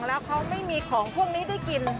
แล้วเขาไม่มีของพวกนี้ได้กิน